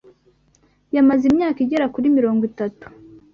yamaze imyaka igera kuri mirongo itatu